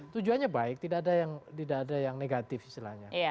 tujuannya baik tidak ada yang negatif istilahnya